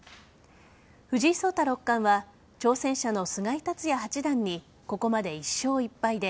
藤井聡太六冠は挑戦者の菅井竜也八段にここまで１勝１敗で